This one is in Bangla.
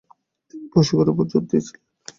তিনি প্রশিক্ষণের ওপর জোর দিয়েছিলেন।